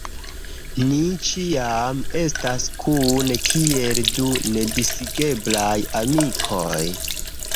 Ni ĉiam estas kune, kiel du nedisigeblaj amikoj.